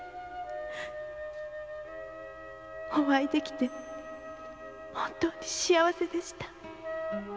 お会いできて本当に幸せでした